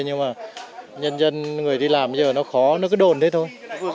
nhưng mà nhân dân người đi làm bây giờ nó khó nó cứ đồn thế thôi